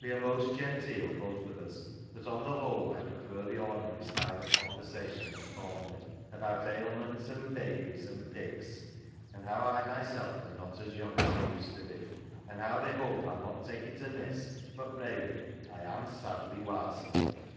We are most genteel, both of us, but on the whole I prefer the ordinary style of conversation at Thornleigh about ailments, and babies, and pigs, and how I myself am not as young as I used to be, and how they hope I'll not take it amiss, but raly I am sadly warsening.